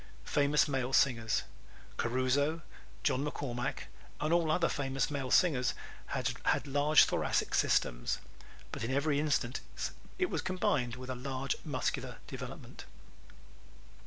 Famous Male Singers ¶ Caruso, John McCormack and all other famous male singers had large thoracic systems, but in every instance it was combined with a large muscular development.